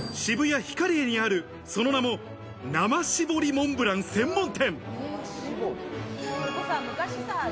ヒカリエにある、その名も生搾りモンブラン専門店。